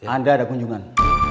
anda ada kunjungan